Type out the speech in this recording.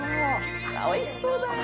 おいしそうだよ。